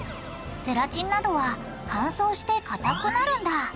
ゼラチンなどは乾燥してかたくなるんだ。